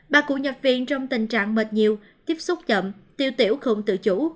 bà cụ nhập viện trong tình trạng mệt nhiều tiếp xúc chậm tiêu tiểu không tự chủ